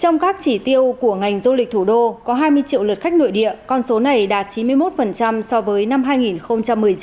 trong các chỉ tiêu của ngành du lịch thủ đô có hai mươi triệu lượt khách nội địa con số này đạt chín mươi một so với năm hai nghìn một mươi chín